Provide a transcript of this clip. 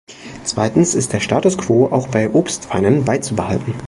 Zweitens ist der Status quo auch bei Obstweinen beizubehalten.